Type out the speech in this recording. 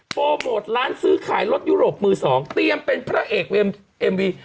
โปรโมทร้านซื้อขายรถยุโรปมือสองเตรียมเป็นพระเอกเอ็มวี